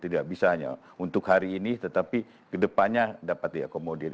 tidak bisa hanya untuk hari ini tetapi kedepannya dapat diakomodir